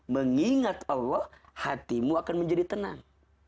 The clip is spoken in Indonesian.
mengingat allah hatimu akan menjadi tenang